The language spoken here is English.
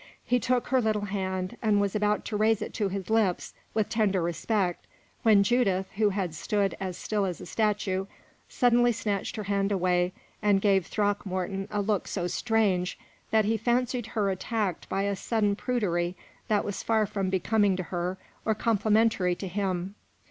He took her little hand, and was about to raise it to his lips with tender respect, when Judith, who had stood as still as a statue, suddenly snatched her hand away and gave Throckmorton a look so strange that he fancied her attacked by a sudden prudery that was far from becoming to her or complimentary to him.